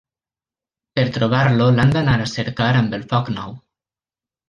Per trobar-lo l'han d'anar a cercar amb el foc nou.